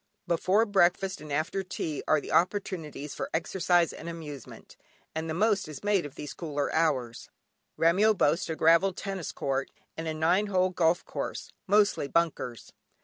Before breakfast and after tea are the opportunities for exercise and amusement, and the most is made of these cooler hours. Remyo boasts a gravel tennis court, and a nine hole golf course, mostly bunkers.